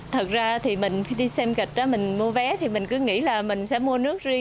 thật ra thì mình đi xem kịch mình mua vé thì mình cứ nghĩ là mình sẽ mua nước riêng